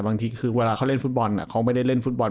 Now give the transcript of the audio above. เหนื่อยโดยเดินทางเหนื่อย